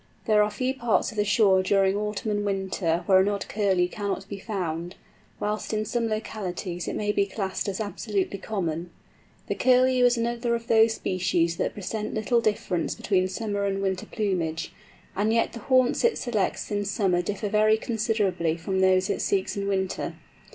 There are few parts of the shore during autumn and winter where an odd Curlew cannot be found, whilst in some localities it may be classed as absolutely common. The Curlew is another of those species that present little difference between summer and winter plumage, and yet the haunts it selects in summer differ very considerably from those it seeks in winter.